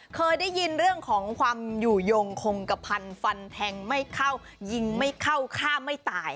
เคยได้ยินเรื่องของความอยู่ยงคงกระพันธ์ฟันแทงไม่เข้ายิงไม่เข้าฆ่าไม่ตาย